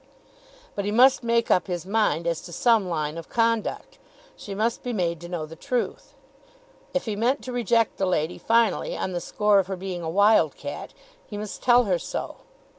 But he must make up his mind as to some line of conduct. She must be made to know the truth. If he meant to reject the lady finally on the score of her being a wild cat, he must tell her so.